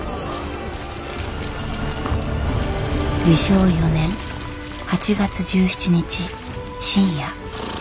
治承４年８月１７日深夜。